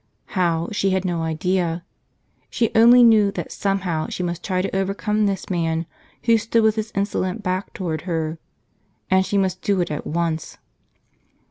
How, she had no idea. She only knew that somehow she must try to overcome this man who stood with his insolent back toward her. And she must do it at once.